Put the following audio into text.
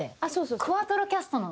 クワトロキャストの。